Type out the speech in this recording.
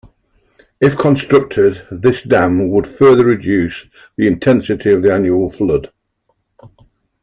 If constructed this dam would further reduce the intensity of the annual flood.